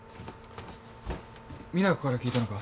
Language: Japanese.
実那子から聞いたのか？